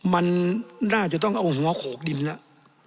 มันน่าจะต้องเอาหัวโขกดินแล้ว